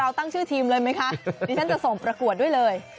ตั้งชื่อทีมเลยไหมคะดิฉันจะส่งประกวดด้วยเลย